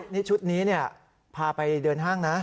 นี่ชุดนี้พาไปเดินห้างนะ